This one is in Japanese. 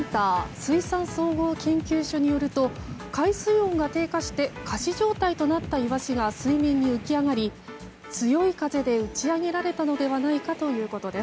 水産総合研究所によると海水温が低下して仮死状態となったイワシが水面に浮き上がり強い風で打ち揚げられたのではないかということです。